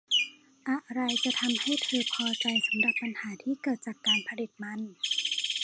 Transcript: อะไรจะทำให้เธอพอใจสำหรับปัญหาที่เกิดจากการผลิตมัน